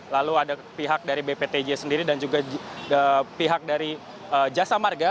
lalu ada pihak dari bptj sendiri dan juga pihak dari jasa marga